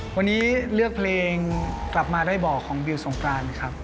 วันนี้เลือกเพลงกลับมาได้บ่อของบิวสงกรานครับ